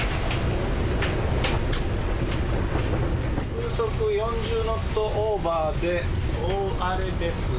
風速４０ノットオーバーで大荒れです。